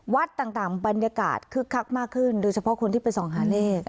วัดต่างบรรยากาศคึกคักมากขึ้นโดยเฉพาะคนที่ไปส่องหาเลข